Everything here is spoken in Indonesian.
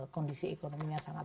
kondisi ekonominya sangat